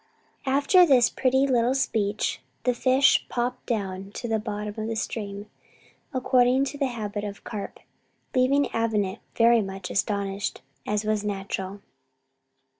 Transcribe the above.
After this pretty little speech, the fish popped down to the bottom of the stream, according to the habit of carp, leaving Avenant very much astonished, as was natural.